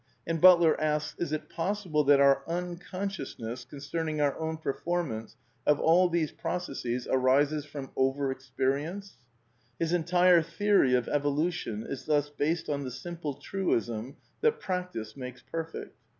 ® And Butler asks: "Is it possible that our unconsciousness concerning our own performance of all these processes arises from over experience V^^ His entire theory of evolution is thus based on the simple truism that Practice makes perfect.